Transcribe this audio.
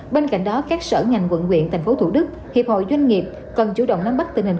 bên cạnh đó các sở ngành quận quyện tp thủ đức hiệp hội doanh nghiệp cần chủ động nắm bắt tình hình